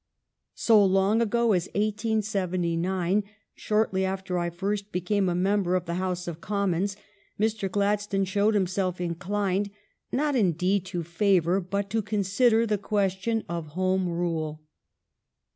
So long ago as 1879, shortly after I first became a member of the House of Commons, Mr. Glad stone showed himself inclined, not indeed to favor, but to consider, the question of Home Rule.